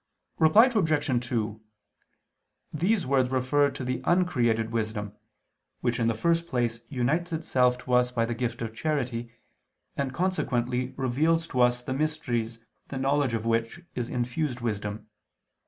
Reply Obj. 2: These words refer to the Uncreated Wisdom, which in the first place unites itself to us by the gift of charity, and consequently reveals to us the mysteries the knowledge of which is infused wisdom.